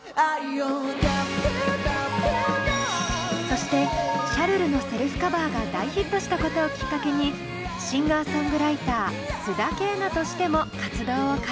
そして「シャルル」のセルフカバーが大ヒットしたことをきっかけにシンガーソングライター須田景凪としても活動を開始。